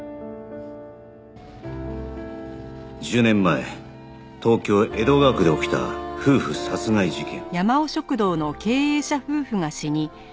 １０年前東京江戸川区で起きた夫婦殺害事件